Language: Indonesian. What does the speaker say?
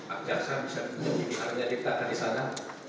agar saya bisa mencari titakan di sana